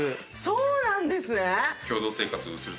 そうなんですね。